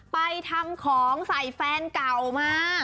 ไปทำของใส่แฟนเก่ามา